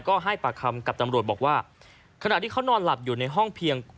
ก็ให้ปากคำกับตำรวจบอกว่าขณะที่เขานอนหลับอยู่ในห้องเพียง